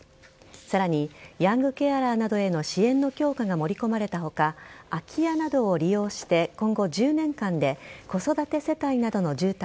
さらにヤングケアラーなどへの支援の強化が盛り込まれた他空き家などを利用して今後１０年間で子育て世帯などの住宅